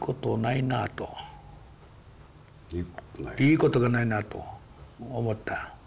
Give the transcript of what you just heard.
いいことない？いいことがないなぁと思った。